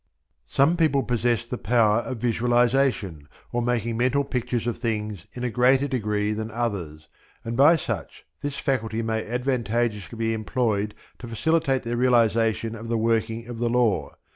Some people possess the power of visualization, or making mental pictures of things, in a greater degree than others, and by such this faculty may advantageously be employed to facilitate their realization of the working of the Law.